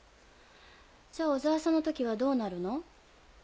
じゃあ小沢さんの時はどうなるの？